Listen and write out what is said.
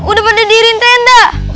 udah pada diri tenda